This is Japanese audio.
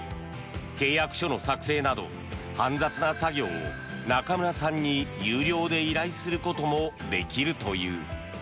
契約書の作成など煩雑な作業を中村さんに有料で依頼することもできるという。